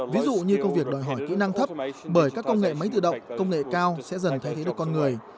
ví dụ như công việc đòi hỏi kỹ năng thấp bởi các công nghệ máy tự động công nghệ cao sẽ dần thay thế được con người